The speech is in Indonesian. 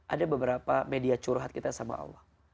ada beberapa media curhat kita sama allah